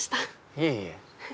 いえいえ。